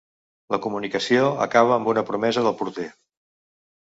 La comunicació acaba amb una promesa del porter.